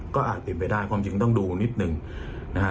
ก็อาจติดไปได้ความจริงต้องดูนิดหนึ่งนะฮะ